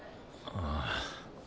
ああ。